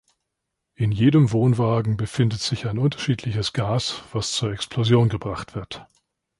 In jedem Wohnwagen befindet sich ein unterschiedliches Gas, was zur Explosion gebracht wird.